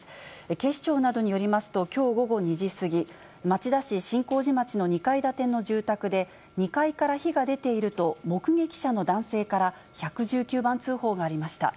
警視庁などによりますと、きょう午後２時過ぎ、町田市真光寺町の２階建ての住宅で、２階から火が出ていると、目撃者の男性から１１９番通報がありました。